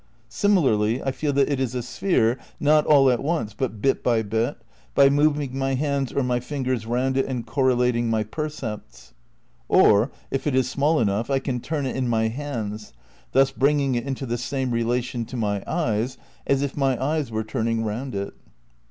Similarly I feel that it is a sphere, not all at once, but bit by bit, by moving my hands or my fingers round it and correlating my percepts. Or, if it is small enough, I can turn it in my hands, thus bringing it into the same relation to my eyes as if my eyes were turning round it.